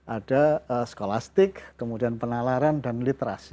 ada skolastik kemudian penalaran dan literasi